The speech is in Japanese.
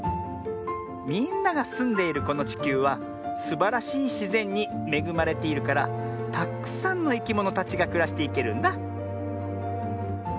みんながすんでいるこのちきゅうはすばらしいしぜんにめぐまれているからたっくさんのいきものたちがくらしていけるんだ。